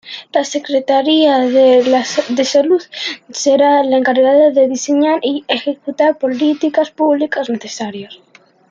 La Secretaría de Salud será la encargada de diseñar y ejecutar políticas públicas necesarias.